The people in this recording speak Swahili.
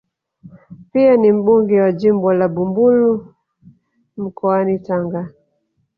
Pia ni mbunge wa jimbo la Bumbuli mkoani Tanga